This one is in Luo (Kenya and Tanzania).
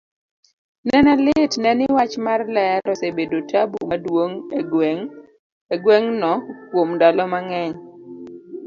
nene litne ni wach marler osebedo tabu maduong' egweng' no kuom ndalo mang'eny,